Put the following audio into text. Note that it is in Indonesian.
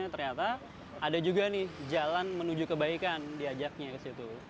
ternyata ada juga nih jalan menuju kebaikan diajaknya ke situ